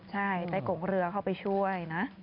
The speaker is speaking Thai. ใช่ใต้กงเรือเข้าไปช่วยนะ